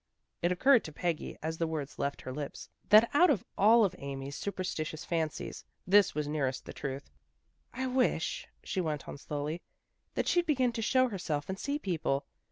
It occurred to Peggy as the words left her lips, that out of all of Amy's superstitious fancies, this was nearest the truth. " I wish," she went on slowly, " that she'd begin to show herself, and see people.